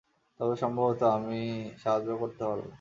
তবে, সম্ভবত আমি সাহায্য করতে পারবো।